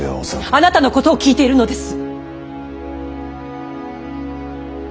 あなたのことを聞いているのです！